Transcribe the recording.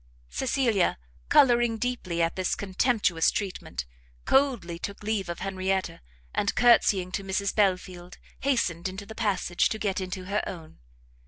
Cecilia, colouring deeply at this contemptuous treatment, coldly took leave of Henrietta, and courtsying to Mrs Belfield, hastened into the passage, to get into her own.